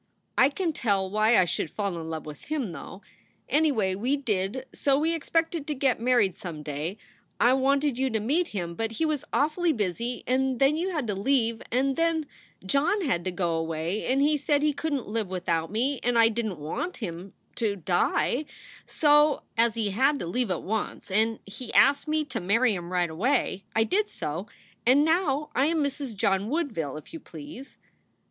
I can tell why I should fall in love with him, though. Anyway we did so we expected to get married some day I wanted you to meet him but he was awfully busy and then you had to leave and then John had to go away and he said he couldent live without me and I dident want him to die so as he had to leave at once and he asked me to marry him right away I did so and now I am Mrs. John Woodville, if you please.